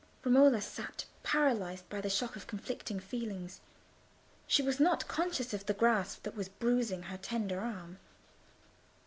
Romola sat paralysed by the shock of conflicting feelings. She was not conscious of the grasp that was bruising her tender arm.